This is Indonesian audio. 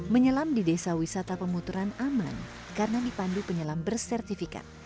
menyelam di desa wisata pemuteran aman karena dipandu penyelam bersertifikat